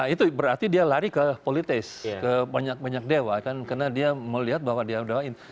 itu berarti dia lari ke politeis ke banyak banyak dewa karena dia melihat bahwa dia dewa itu